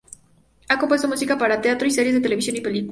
Ha compuesto música para teatro y series de televisión y películas.